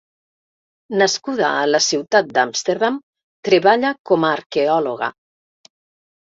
Nascuda a la ciutat d'Amsterdam, treballa com a arqueòloga.